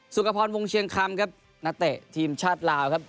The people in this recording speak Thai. สุขภรณ์วงเชียงคำครับณเตะทีมชาติลาวครับ